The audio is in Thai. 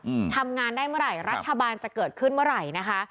อืมทำงานได้เมื่อไหร่รัฐบาลจะเกิดขึ้นเมื่อไหร่นะคะ